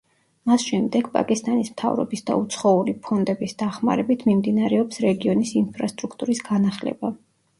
მას შემდეგ პაკისტანის მთავრობის და უცხოური ფონდების დახმარებით მიმდინარეობს რეგიონის ინფრასტრუქტურის განახლება.